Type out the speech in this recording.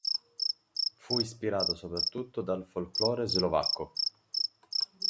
Fu ispirato soprattutto dal folklore slovacco.